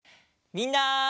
みんな。